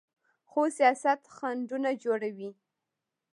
خو سیاست خنډونه جوړوي.